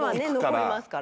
残りますから。